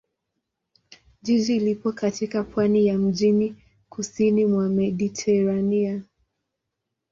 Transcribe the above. Jiji lipo katika pwani ya mjini kusini mwa Mediteranea.